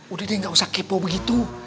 udah dia gak usah kepo begitu